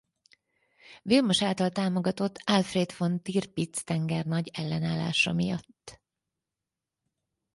Vilmos által támogatott Alfred von Tirpitz tengernagy ellenállása miatt.